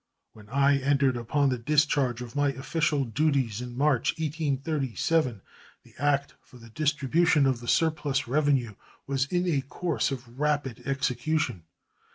When I entered upon the discharge of my official duties in March, 1837, the act for the distribution of the surplus revenue was in a course of rapid execution.